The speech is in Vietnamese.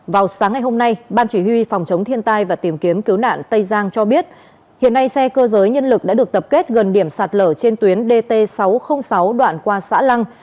vào sáng ngày hôm nay ban chỉ huy phòng chống thiên tai và tìm kiếm cứu nạn tây giang cho biết hiện nay xe cơ giới nhân lực đã được tập kết gần điểm sạt lở trên tuyến dt sáu trăm linh sáu đoạn qua xã lăng